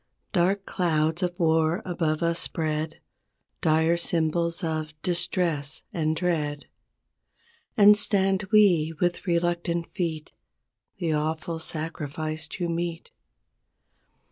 Dark clouds of war above us spread. Dire symbols of distress and dread; And stand we with reluctant feet The awful sacrifice to meet.